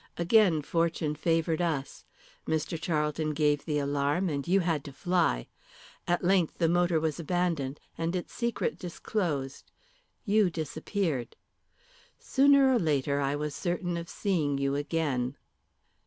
Again fortune favoured us. Mr. Charlton gave the alarm, and you had to fly. At length the motor was abandoned, and its secret disclosed. You disappeared. Sooner or later I was certain of seeing you again."